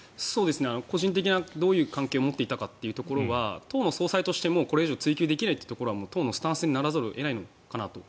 個人的などういう関係を持っていたかということは党の総裁としてこれ以上追及できないというのが党のスタンスにならざるを得ないのかなと。